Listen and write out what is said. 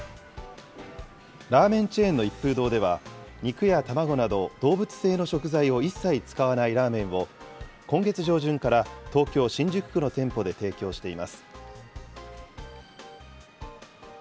ラーメンチェーンの一風堂では、肉や卵など動物性の食材を一切使わないラーメンを、今月上旬から東京・新宿区の店舗で提供しています。